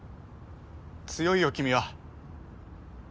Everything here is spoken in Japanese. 強いよ君は。